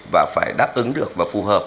và phải đáp ứng được và phù hợp